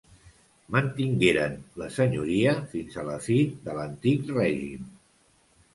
Mantingueren la senyoria fins a la fi de l'Antic Règim.